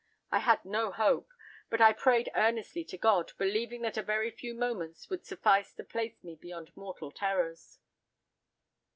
I had no hope, but I prayed earnestly to God, believing that a very few moments would suffice to place me beyond mortal terrors.